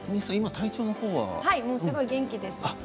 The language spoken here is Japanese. すごく元気です。